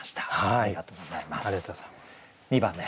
ありがとうございます。